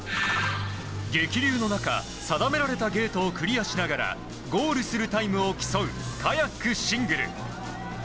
激流の中、定められたゲートをクリアしながらゴールするタイムを競うカヤックシングル。